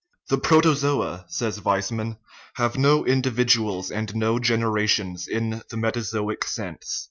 " The protozoa," says Weismann, " have no indi viduals and no generations in the matazoic sense."